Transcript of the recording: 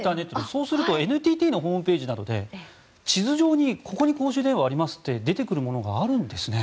そうするとＮＴＴのホームページなどで地図上にここに公衆電話がありますって出てくるものがあるんですね。